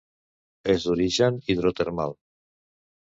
És d'origen hidrotermal.